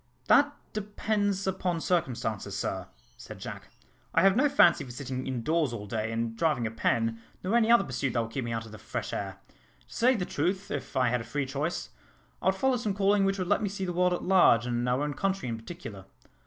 "That depends upon circumstances, sir," said Jack. "I have no fancy for sitting indoors all day, and driving a pen, nor any other pursuit that would keep me out of the fresh air. To say the truth, if I had a free choice, I would follow some calling which would let me see the world at large, and our own country in particular.